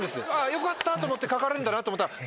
よかったと思って書かれるんだなと思ったら。